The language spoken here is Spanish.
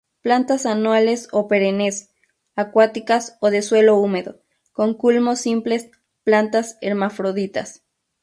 Plantas anuales o perennes, acuáticas o de suelo húmedo; con culmos simples; plantas hermafroditas.